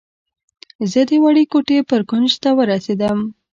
زه د وړې کوټې بر کونج ته ورسېدم.